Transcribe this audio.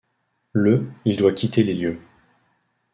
Le il doit quitter les lieux.